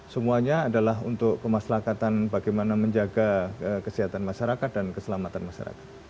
semuanya adalah untuk kemaslahatan bagaimana menjaga kesehatan masyarakat dan keselamatan masyarakat